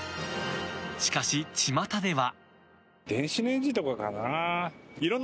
しかし、ちまたでは。